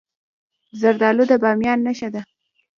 زردالو د بامیان نښه ده.